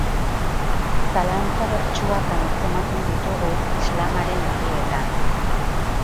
Zalantza bertsuak antzematen ditugu Islamaren herrietan.